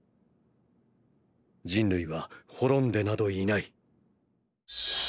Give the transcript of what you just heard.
人類は滅んでなどいない」。